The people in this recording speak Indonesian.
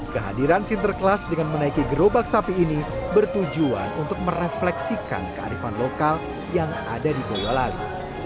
kehadiran sinterklas dengan menaiki gerobak sapi ini bertujuan untuk merefleksikan kearifan lokal yang ada di boyolali